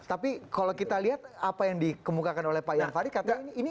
tapi kalau kita lihat apa yang dikemukakan oleh pak ian farid